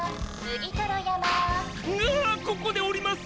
あっここでおります！